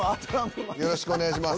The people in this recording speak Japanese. よろしくお願いします。